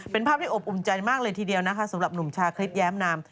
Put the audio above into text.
เป็นภาพที่อบอุ่นใจมากเลยทีเดียวนะคะสำหรับหนุ่มชาคริสแย้มนาม